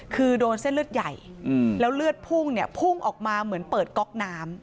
คือโดนเส้นเลือดใหญ่แล้วเลือดพุ่งเนี่ยพุ่งออกมาเหมือนเปิดก๊อกน้ำ